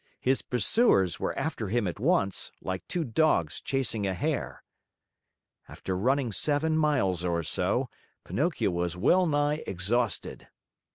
His pursuers were after him at once, like two dogs chasing a hare. After running seven miles or so, Pinocchio was well nigh exhausted.